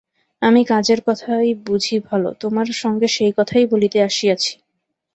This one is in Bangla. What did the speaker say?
আমি কাজের কথাই বুঝি ভালো–তোমার সঙ্গে সেই কথাই বলিতে আসিয়াছি।